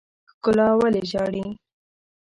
ښکلا ولې ژاړي.